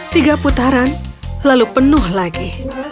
tiga putaran lalu penuh lagi